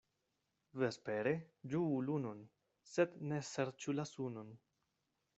Vespere ĝuu lunon, sed ne serĉu la sunon.